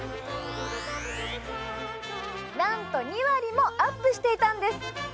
なんと２割もアップしていたんです！